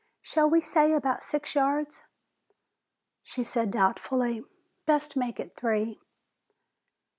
Shall we say about six yards?" She said doubtfully, "Best make it three."